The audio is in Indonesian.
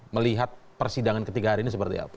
melihat persidangan ketiga hari ini seperti apa